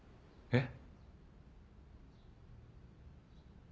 えっ？